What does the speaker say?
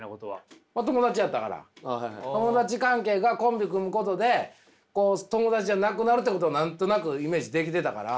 友達関係がコンビ組むことで友達じゃなくなるってこと何となくイメージできてたから。